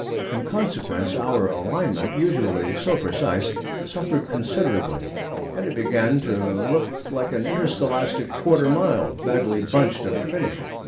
In consequence, our alignment, usually so precise, suffered considerably; and it began to look like an interscholastic 'quarter mile' badly bunched at the finish.